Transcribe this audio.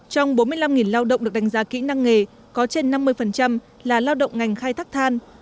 trong bốn mươi năm lao động được đánh giá kỹ năng nghề có trên năm mươi là lao động ngành khai thác than